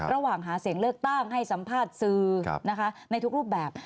ระหว่างหาเสียงเลือกตั้งให้สัมภาษณ์สื่อนะคะในทุกรูปแบบ